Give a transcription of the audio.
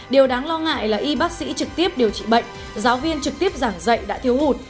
điều đáng lo ngại là y bác sĩ trực tiếp điều trị bệnh giáo viên trực tiếp giảng dạy đã thiếu hụt